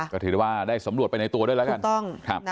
ก็ถือว่าได้สำรวจไปในตัวด้วยแล้วกัน